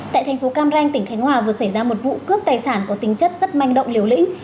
tại thành phố cam ranh tỉnh khánh hòa vừa xảy ra một vụ cướp tài sản có tính chất rất manh động liều lĩnh